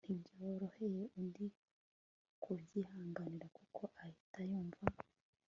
ntibyorohera undi kubyihanganira kuko ahita yumva